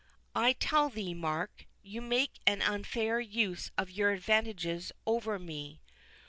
I tell thee, Mark, you make an unfair use of your advantages over me.